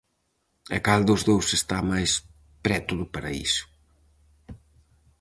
E cal dos dous está máis preto do paraíso?